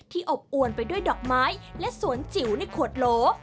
อบอวนไปด้วยดอกไม้และสวนจิ๋วในขวดโหล